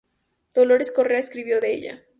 Dolores Correa escribió de ella.